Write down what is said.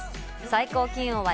最高気温は